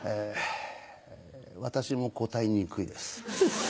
私も答えにくいです。